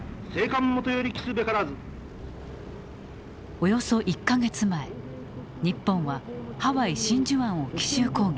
およそ１か月前日本はハワイ真珠湾を奇襲攻撃。